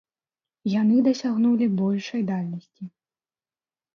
Яны дасягнулі большай дальнасці.